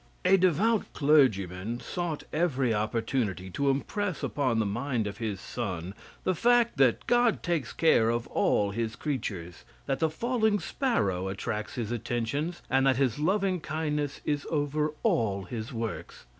A devout Clergyman sought every opportunity to impress upon the mind of his son the fact, that God takes care of all his creatures; that the falling sparrow attracts his attentions, and that his loving kindness is over all his works.